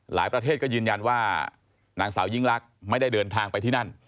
ประเทศก็ยืนยันว่านางสาวยิ่งลักษณ์ไม่ได้เดินทางไปที่นั่น